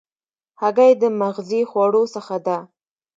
هګۍ د مغذي خوړو څخه ده.